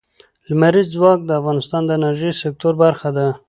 لمریز ځواک د افغانستان د انرژۍ سکتور برخه ده.